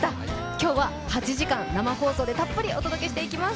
今日は８時間生放送でたっぷりお届けしていきます。